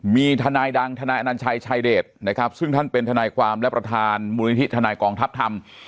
มีทนายดังทนายอนัญชัยชายเดชนะครับซึ่งท่านเป็นทนายความและประธานมูลนิธิทนายกองทัพธรรม